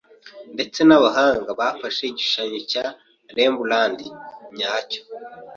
Ndetse nabahanga bafashe igishushanyo cya Rembrandt nyayo.